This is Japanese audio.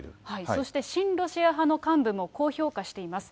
そして、親ロシア派の幹部もこう評価しています。